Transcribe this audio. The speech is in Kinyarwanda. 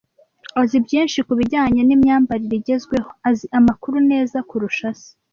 Azi byinshi kubijyanye nimyambarire igezweho. Azi amakuru neza kurusha se.